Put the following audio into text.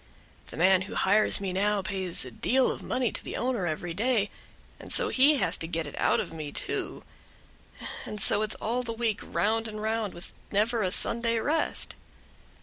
The man who hires me now pays a deal of money to the owner every day, and so he has to get it out of me too; and so it's all the week round and round, with never a Sunday rest."